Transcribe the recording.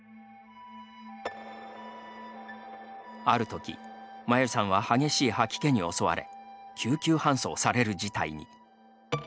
あるとき、まゆさんは激しい吐き気に襲われ救急搬送される事態に。